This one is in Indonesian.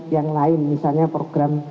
yang lain misalnya program